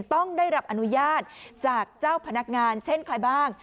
ต้องได้รับอนุญาตจากเจ้าพนักงานเช่นใครบ้าง